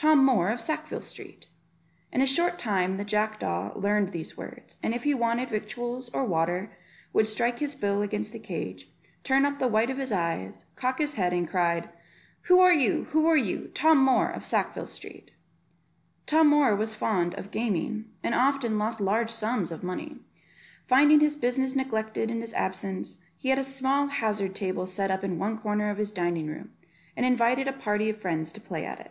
Tom Moor of Sackville Street." In a short time the jackdaw learned these words, and if he wanted victuals or water, would strike his bill against the cage, turn up the white of his eyes, cock his head, and cry, "Who are you? who are you? Tom Moor of Sackville Street." Tom Moor was fond of gaming, and often lost large sums of money; finding his business neglected in his absence, he had a small hazard table set up in one corner of his dining room, and invited a party of his friends to play at it.